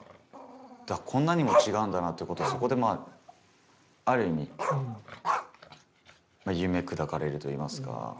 こんなにも違うんだなということをそこでまあある意味夢砕かれるといいますか。